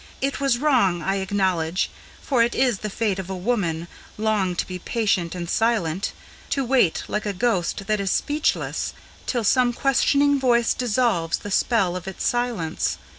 It was wrong, I acknowledge; for it is the fate of a woman Long to be patient and silent, to wait like a ghost that is speechless, Till some questioning voice dissolves the spell of its silence.